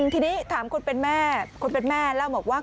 ทีนี้ถามคนเป็นแม่คนเป็นแม่เล่าบอกว่า